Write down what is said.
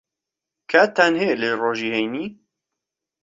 کاتتان ھەیە لە ڕۆژی ھەینی؟